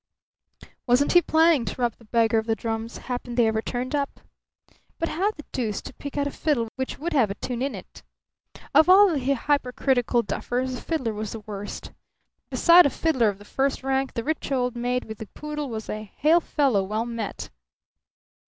Wasn't he planning to rob the beggar of the drums, happen they ever turned up? But how the deuce to pick out a fiddle which would have a tune in it? Of all the hypercritical duffers the fiddler was the worst. Beside a fiddler of the first rank the rich old maid with the poodle was a hail fellow well met.